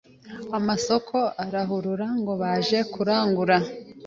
Amasoko arahurura ngo baje kurangura